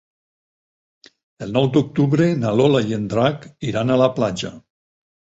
El nou d'octubre na Lola i en Drac iran a la platja.